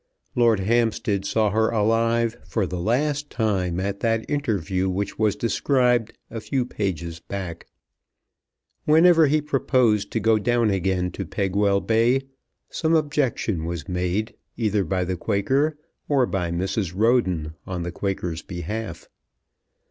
Lord Hampstead saw her alive for the last time at that interview which was described a few pages back. Whenever he proposed to go down again to Pegwell Bay some objection was made, either by the Quaker or by Mrs. Roden on the Quaker's behalf.